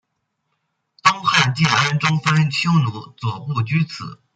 东汉建安中分匈奴左部居此。